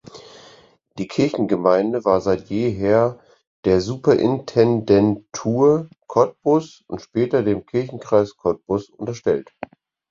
Die Kirchengemeinde war seit jeher der Superintendentur Cottbus und später dem Kirchenkreis Cottbus unterstellt.